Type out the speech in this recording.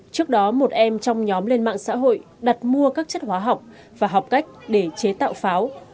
trước đó một em trong nhóm lên mạng xã hội đặt mua các chất hóa học và học cách để chế tạo pháo